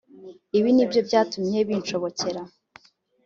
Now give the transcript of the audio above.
ibi ni byo byatumye binshobokera”